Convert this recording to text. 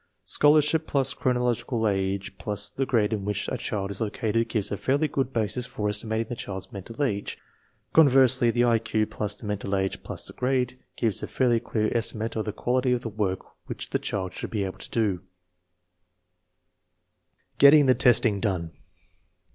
Scholarship plus chronological age plus the grade in which a child is located gives a fairly good basis for estimating the child's mental age. Con versely, the I Q plus the mental age plus the grade gives a fairly clear estimate of the quality of the work which the child should be able to do. THE USE OP MENTAL TESTS 805 Getting the testing done.